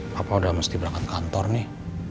bapak udah mesti berangkat kantor nih